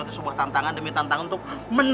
eh bangkuan men